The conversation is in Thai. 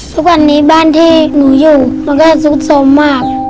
สุดท้ายที่หนูอยู่มันก็จะสุดสมมาก